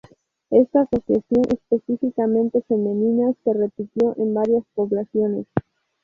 Esta asociación específicamente femeninas se repitió en varias poblaciones.